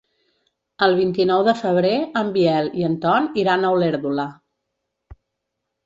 El vint-i-nou de febrer en Biel i en Ton iran a Olèrdola.